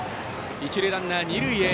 一塁ランナー、二塁へ。